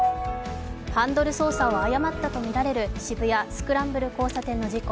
ハンドル操作を誤ったとみられる渋谷・スクランブル交差点での事故。